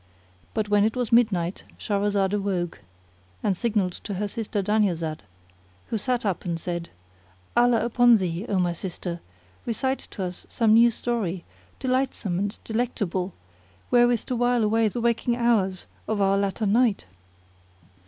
But when it was midnight Shahrazad awoke and signalled to her sister Dunyazad who sat up and said, "Allah upon thee, O my sister, recite to us some new story, delightsome and delectable, wherewith to while away the waking hours of our latter night."